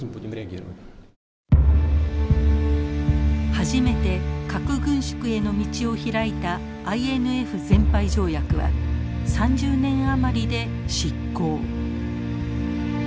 初めて核軍縮への道を開いたＩＮＦ全廃条約は３０年余りで失効。